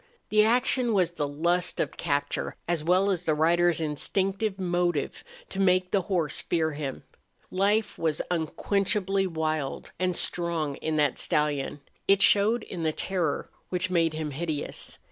The action was the lust of capture as well as the rider's instinctive motive to make the horse fear him. Life was unquenchably wild and strong in that stallion; it showed in the terror which made him hideous.